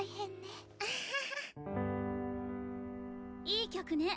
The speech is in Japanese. いい曲ね。